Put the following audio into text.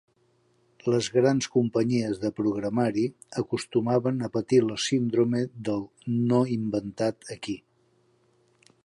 Les grans companyies de programari acostumaven a patir la síndrome del "no inventat aquí".